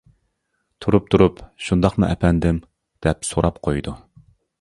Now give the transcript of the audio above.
تۇرۇپ-تۇرۇپ «شۇنداقمۇ، ئەپەندىم؟ » دەپ سوراپ قويىدۇ.